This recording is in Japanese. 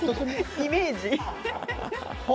イメージ。